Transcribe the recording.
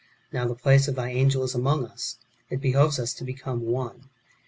Now the place of thy angel is among us:^ it behoves us to become one.